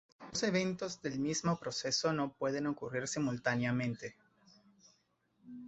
Dos eventos del mismo proceso no pueden ocurrir simultáneamente.